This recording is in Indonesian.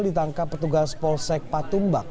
ditangkap petugas polsek patumbak